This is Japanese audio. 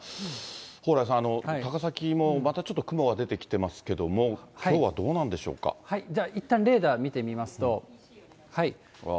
蓬莱さん、高崎もまたちょっと雲が出てきてますけれども、じゃあ、いったん、レーダー見てみますと。